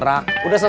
mak mau dong